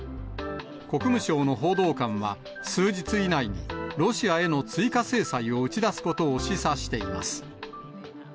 国務省の報道官は、数日以内にロシアへの追加制裁を打ち出すことを示唆しています。